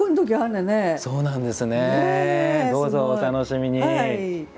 どうぞ、お楽しみに。